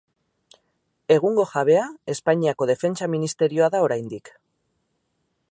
Egungo jabea Espainiako Defentsa Ministerioa da oraindik.